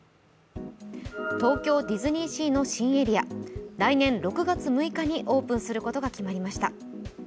東京ディズニーシーの新エリア、来年６月６日にオープンすることが決まりました